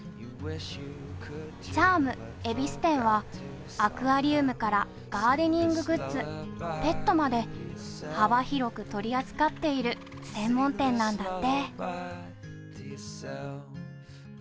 ｃｈａｒｍ恵比寿店はアクアリウムからガーデニンググッズ、ペットまで幅広く取り扱っている専門店なんだって。